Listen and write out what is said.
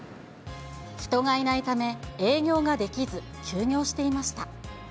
人がいないため営業ができず、休業していました。